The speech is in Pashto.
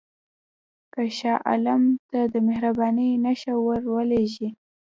که شاه عالم ته د مهربانۍ نښه ورولېږې.